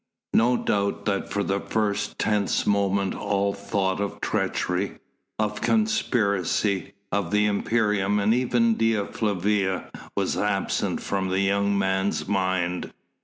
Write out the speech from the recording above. No doubt that for that first tense moment all thought of treachery, of the conspiracy, of the imperium and even of Dea Flavia, was absent from the young man's mind.